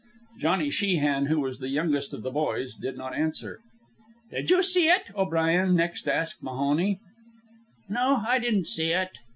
Johnny Sheehan, who was the youngest of the boys, did not answer. "Did you see ut?" O'Brien next asked Mahoney. "No, I didn't see ut."